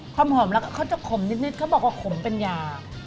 ความหอมแล้วเขาจะขมนิดเขาบอกว่าขมเป็นยา